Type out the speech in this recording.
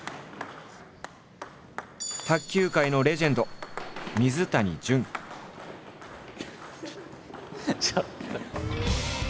卓球界のレジェンドちょっと！